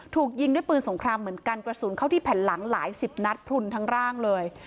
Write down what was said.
ถูกยิงด้วยปืนสงครามเหมือนกันกระสุนเข้าที่แผ่นหลังหลายสิบนัดพลุนทั้งร่างเลย